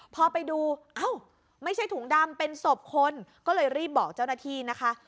พอไปดูเอ้าไม่ใช่ถุงดำเป็นศพคนก็เลยรีบบอกเจ้าหน้าที่นะคะ